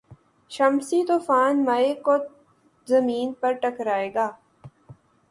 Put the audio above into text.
شمسی طوفان مئی کو زمین سے ٹکرائے گا